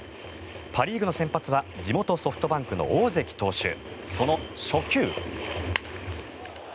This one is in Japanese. パ・リーグの先発は地元ソフトバンクの大関投手その初球。